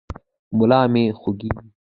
ملا مې خوږېږي.